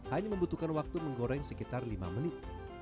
hanya membutuhkan waktu menggoreng sekitar lima menit